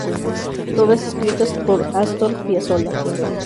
Todas escritas por Astor Piazzolla.